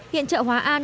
hiện chợ hóa an